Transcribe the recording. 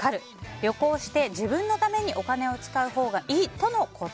旅行して自分のためにお金を使うほうがいいとのこと。